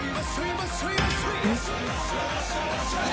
「えっ？」